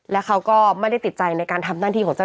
และเขาก็ไม่ได้ติดใจในการทำหน้าที่ของเจ้า